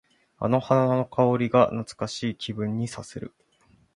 あの花の香りが懐かしい気分にさせる。